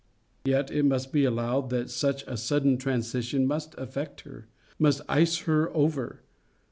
Yet, it must be allowed, that such a sudden transition must affect her; must ice her over.